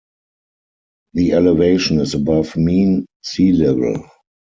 The elevation is above mean sea level.